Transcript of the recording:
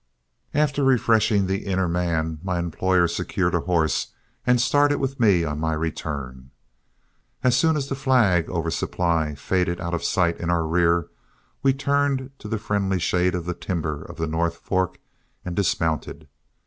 After refreshing the inner man, my employer secured a horse and started with me on my return. As soon as the flag over Supply faded out of sight in our rear, we turned to the friendly shade of the timber on the North Fork and dismounted.